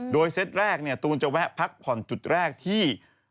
โดยเซตแรกตูนจะแวะพักผ่อนจุดแรกที่